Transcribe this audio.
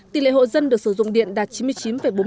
tỷ lệ hộ dân được sử dụng điện đạt chín mươi chín bốn mươi chín